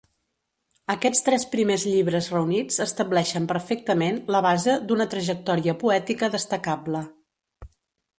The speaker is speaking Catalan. Aquests tres primers llibres reunits estableixen perfectament la base d’una trajectòria poètica destacable.